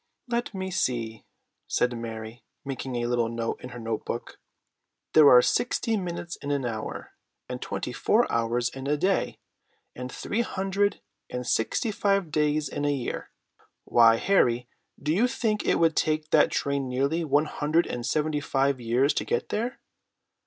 "Let me see," said Mary, making a little note in her note book. "There are sixty minutes in an hour, and twenty four hours in a day, and three hundred and sixty five days in a year. Why, Harry, do you know it would take that train nearly one hundred and seventy five years to get there?"